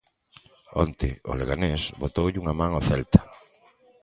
Onte o Leganés botoulle unha man ao Celta.